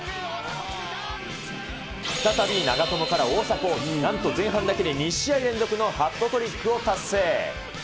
再び長友から大迫、なんと前半だけで２試合連続のハットトリックを達成。